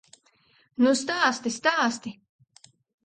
Nu stāsti, stāsti!